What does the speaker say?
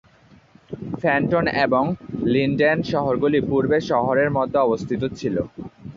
Fenton এবং Linden শহরগুলি পূর্বে শহরের মধ্যে অবস্থিত ছিল।